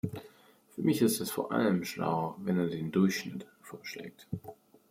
Für mich ist es vor allem schlau, wenn er den Durchschnitt vorschlägt.